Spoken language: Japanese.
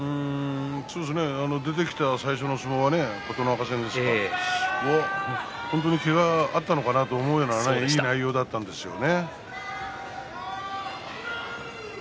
そうですね、出てきた最初の相撲は琴ノ若戦ですが本当にけががあったのかな？と思えるようないい内容だったんですよね。